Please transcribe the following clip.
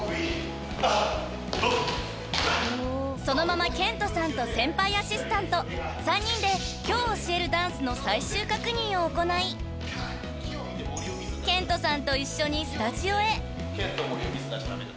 ［そのままケントさんと先輩アシスタント３人で今日教えるダンスの最終確認を行いケントさんと一緒に］